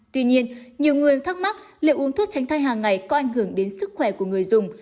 tuy nhiên nhiều người thắc mắc liệu uống thuốc tránh thai hàng ngày có ảnh hưởng đến sức khỏe của người dùng